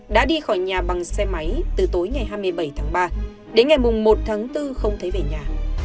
đã đi khỏi nhà bằng xe máy từ tối ngày hai mươi bảy tháng ba đến ngày một tháng bốn không thấy về nhà